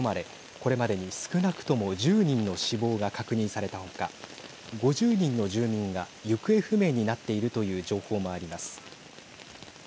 これまでに少なくとも１０人の死亡が確認された他５０人の住民が行方不明になっているという情報もあります。